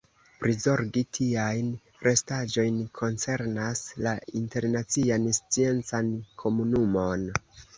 Prizorgi tiajn restaĵojn koncernas la internacian sciencan komunumon.